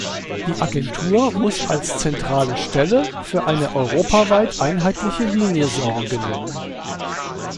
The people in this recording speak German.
Die Agentur muss als zentrale Stelle für eine europaweit einheitliche Linie sorgen.